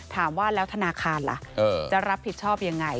ถามว่าแล้วธนาคารล่ะจะรับผิดชอบยังไง